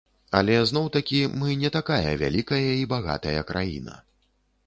Але зноў-такі, мы не такая вялікая і багатая краіна.